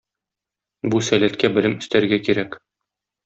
Бу сәләткә белем өстәргә кирәк.